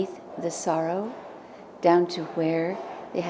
như gia đình tôi có thể tìm ra một cách